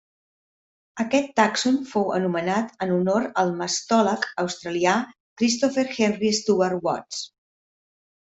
Aquest tàxon fou anomenat en honor del mastòleg australià Christopher Henry Stuart Watts.